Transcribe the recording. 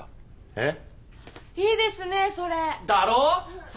えっ？